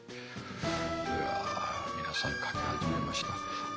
うわ皆さん書き始めました。